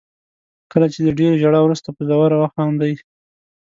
کله چې د ډېرې ژړا وروسته په زوره وخاندئ.